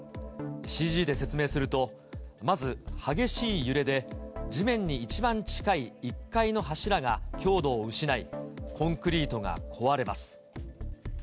ＣＧで説明すると、まず、激しい揺れで地面に一番近い１階の柱が強度を失い、コンクリートが壊れます。